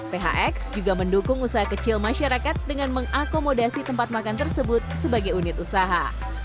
phx juga mendukung usaha kecil masyarakat dengan mengakomodasi tempat makan tersebut sebagai unit usaha